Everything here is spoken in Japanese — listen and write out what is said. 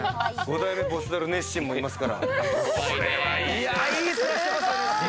５代目ボスザル・ネッシンもいますから。